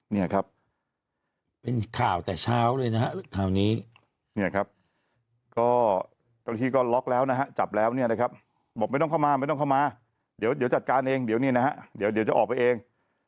เนี่ยครับเป็นข่าวแต่เช้าเลยนะฮะข่าวนี้เนี่ยครับก็เจ้าหน้าที่ก็ล็อกแล้วนะฮะจับแล้วเนี่ยนะครับบอกไม่ต้องเข้ามาไม่ต้องเข้ามาเดี๋ยวจัดการเองเดี๋ยวเนี่ยนะฮะเดี๋ยวจะออกไปเอง